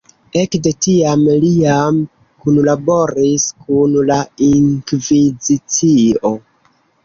Ekde tiam li jam kunlaboris kun la Inkvizicio.